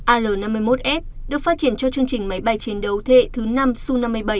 al năm mươi một f được phát triển cho chương trình máy bay chiến đấu thế hệ thứ năm su năm mươi bảy